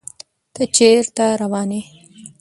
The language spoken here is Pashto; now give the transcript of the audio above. تۀ چېرته روان يې ؟